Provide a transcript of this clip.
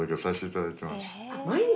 毎日。